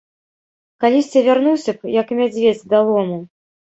Калісьці вярнуўся б, як мядзведзь да лому.